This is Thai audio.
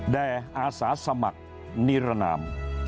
อาสาสมัครนิรนาม